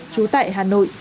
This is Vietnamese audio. chú tại hà nội